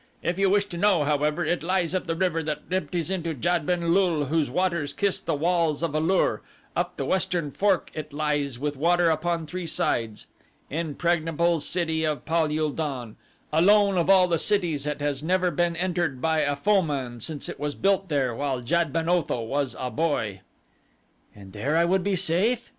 If you wish to know, however, it lies up the river that empties into Jad ben lul whose waters kiss the walls of A lur up the western fork it lies with water upon three sides. Impregnable city of Pal ul don alone of all the cities it has never been entered by a foeman since it was built there while Jad ben Otho was a boy." "And there I would be safe?"